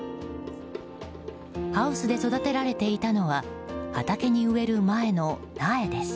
ハウスで育てられていたのは畑に植える前の苗です。